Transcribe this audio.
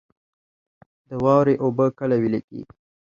د واورې اوبه کله ویلی کیږي؟